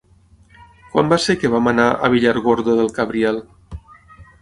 Quan va ser que vam anar a Villargordo del Cabriel?